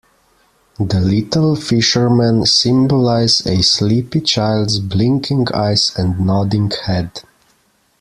The little fishermen symbolize a sleepy child's blinking eyes and nodding head.